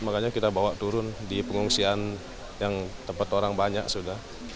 makanya kita bawa turun di pengungsian yang tempat orang banyak sudah